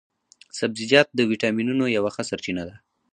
سبزیجات د ویټامینو یوه ښه سرچينه ده